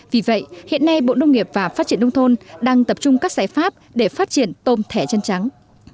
vì vậy hiện nay bộ nông nghiệp và phát triển nông thôn đang tập trung các giải pháp để phát triển tôm thẻ chân trắng